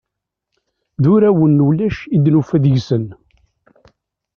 D urawen n ulac i d-nufa deg-sen.